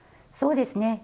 そうですね。